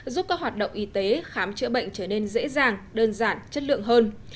giúp các hoạt động y tế khám chữa bệnh trở nên dễ dàng đơn giản chất lượng hơn